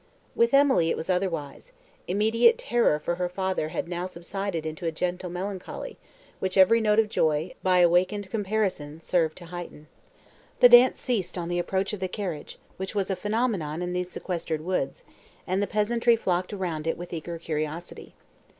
With Emily it was otherwise; immediate terror for her father had now subsided into a gentle melancholy, which every note of joy, by awakening comparison, served to heighten. The dance ceased on the approach of the carriage, which was a phenomenon in these sequestered woods, and the peasantry flocked round it with eager curiosity.